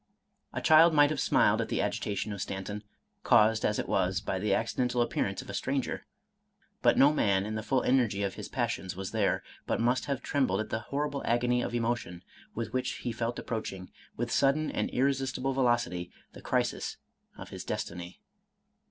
A child might have smiled at the agitation of Stanton, caused as it was by the accidental appearance of a stranger; but no man, in the full energy of his passions, was there, but must have trembled at the horrible agony of emotion with which he felt approaching, with sudden and irresistible velocity, the crisis of his destiny.